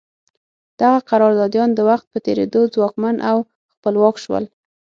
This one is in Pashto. دغه قراردادیان د وخت په تېرېدو ځواکمن او خپلواک شول.